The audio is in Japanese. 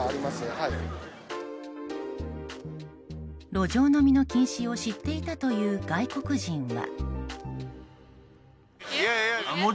路上飲みの禁止を知っていたという外国人は。